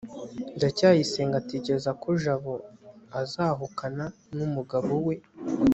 ndacyayisenga atekereza ko jabo azahukana n'umugabo we